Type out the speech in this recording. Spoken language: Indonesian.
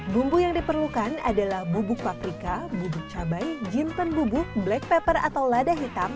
bumbu yang diperlukan adalah bubuk paprika bubuk cabai jimpen bubuk black pepper atau lada hitam